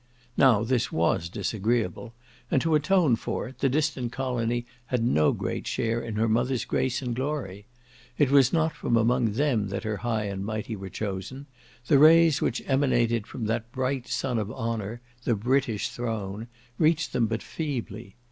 Now, this was disagreeable; and to atone for it, the distant colony had no great share in her mother's grace and glory. It was not from among them that her high and mighty were chosen; the rays which emanated from that bright sun of honour, the British throne, reached them but feebly.